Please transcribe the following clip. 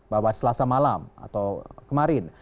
bahwa selasa malam atau kemarin